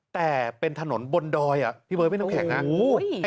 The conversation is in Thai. แต่เป็นถนนบนดอยพี่เบอร์ไม่ได้น้ำแข็งนะ